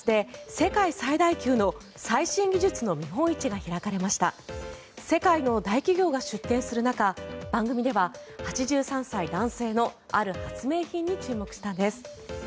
世界の大企業が出展する中番組では８３歳男性のある発明品に注目したんです。